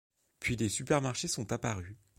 Puis les supermarchés sont apparus.